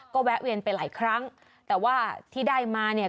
ก็แวะเวียนไปหลายครั้งแต่ว่าที่ได้มาเนี่ย